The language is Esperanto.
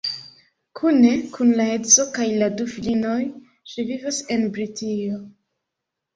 Kune kun la edzo kaj la du filinoj ŝi vivas en Britio.